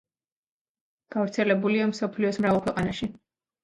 გავრცელებულია მსოფლიოს მრავალ ქვეყანაში.